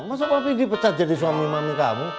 masuk papi dipecat jadi suami mami kamu